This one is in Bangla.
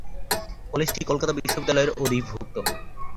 কলেজটি কলকাতা বিশ্ববিদ্যালয়ের অধিভুক্ত।